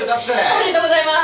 おめでとうございます。